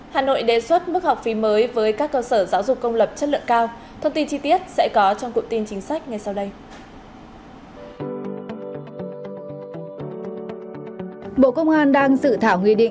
hà nội đề xuất bức tượng của hà nội